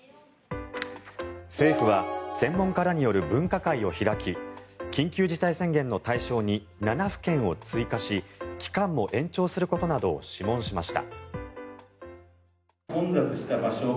政府は専門家らによる分科会を開き緊急事態宣言の対象に７府県を追加し期間も延長することなどを諮問しました。